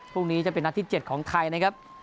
พรุ่งนี้จะเป็นนัดที่๗ของไทยนะครับ